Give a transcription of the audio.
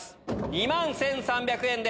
２万１３００円で。